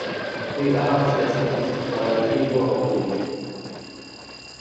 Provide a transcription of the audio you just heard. دوی لا هم سیاست د استخباراتي لوبه بولي.